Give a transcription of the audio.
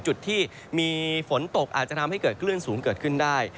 จุดที่มีฝนตกอาจจะทำให้เกิดคลื่นสูงเกิดขึ้นได้